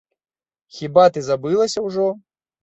Хіба ты забылася ўжо?